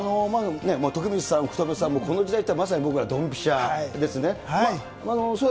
徳光さん、福留さん、この時代といったら、まさに僕らどんぴしゃですね。